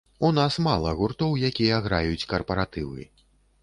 У нас мала гуртоў, якія граюць карпаратывы.